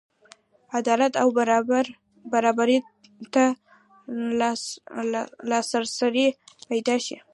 عدالت او برابرۍ ته لاسرسی پیدا شي.